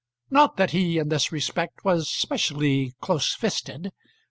Not that he, in this respect, was specially close fisted.